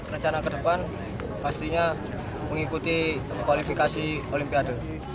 rencana kedepan pastinya mengikuti kualifikasi olimpiade